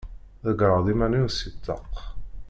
Ḍeggreɣ-d iman-iw si ṭṭaq.